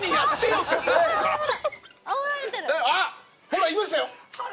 ほらいましたよ！